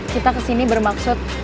kita kesini bermaksud